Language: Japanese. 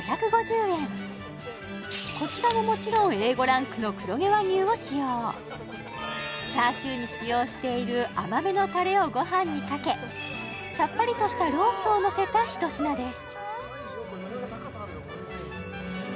こちらももちろんＡ５ランクの黒毛和牛を使用チャーシューに使用している甘めのタレをご飯にかけさっぱりとしたロースをのせた一品です